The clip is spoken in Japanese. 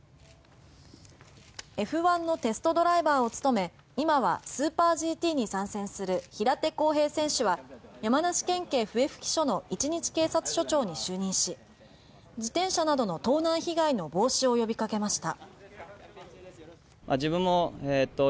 Ｆ１のテストドライバーを務め今はスーパーＧＴに参戦する平手晃平選手は山梨県警笛吹署の一日警察署長に就任し自転車などの盗難被害の防止を呼びかけました。